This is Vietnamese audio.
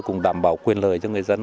cũng đảm bảo quyền lời cho người dân